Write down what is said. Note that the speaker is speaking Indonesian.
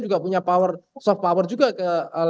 juga punya power soft power juga ke